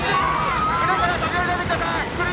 船から飛び降りないでください